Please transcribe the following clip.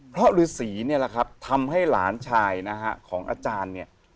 เพราะฤษีเนี่ยแหละครับทำให้หลานชายนะฮะของอาจารย์เนี่ย